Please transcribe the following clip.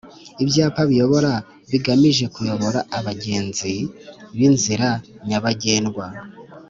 Ibyapa biyobora bigamije kuyobora abagenzi b'inzira nyabagendwa